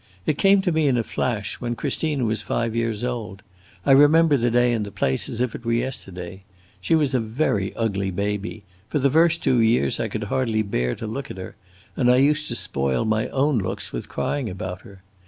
It came to me in a flash, when Christina was five years old. I remember the day and the place, as if it were yesterday. She was a very ugly baby; for the first two years I could hardly bear to look at her, and I used to spoil my own looks with crying about her.